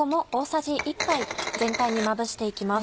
全体にまぶして行きます。